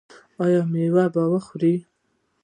ایا میوه به خورئ؟